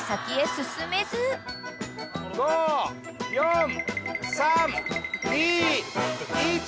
５４３２１。